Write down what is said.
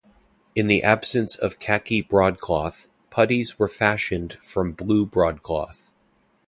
In the absence of khaki broadcloth, puttees were fashioned from blue broadcloth.